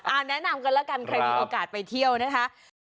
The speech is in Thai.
แนะนำกันแล้วกันใครมีโอกาสไปเที่ยวนะคะ